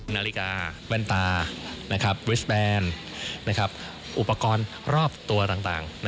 นาฬิกาแว่นตาวิสแบนอุปกรณ์รอบตัวต่าง